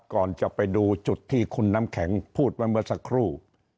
ก่อนจะไปดูจุดที่คุณน้ำแข็งพูดไว้เมื่อสักครู่